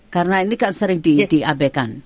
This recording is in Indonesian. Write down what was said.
karena ini kan sering diabekan